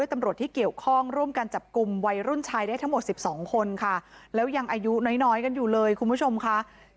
ทั้งหมด๑๒คนค่ะแล้วยังอายุน้อยกันอยู่เลยคุณผู้ชมค่ะ